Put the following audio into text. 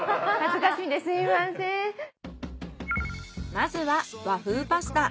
まずは和風パスタ。